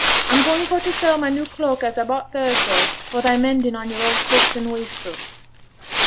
I'm going for to sell my new cloak as I bought Thursday, for the mending on your old coats and waistcoats.'